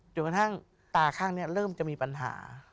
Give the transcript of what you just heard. อยู่ข้างตาข้างเริ่มจะมีปัญหา